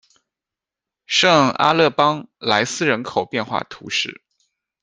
圣阿勒邦莱斯人口变化图示